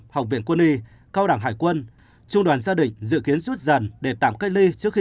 học viện quân y cao đảng hải quân trung đoàn gia định dự kiến rút dần để tạm cách ly trước khi